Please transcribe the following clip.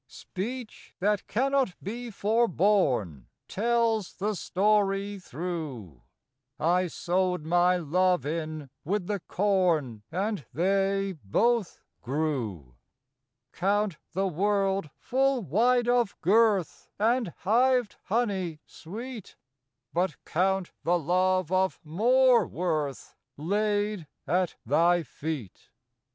Speech that cannot be forborne Tells the story through : I sowed my love in with the corn, And they both grew. Count the world full wide of girth, And hived honey sweet, But count the love of more worth Laid at thy feet.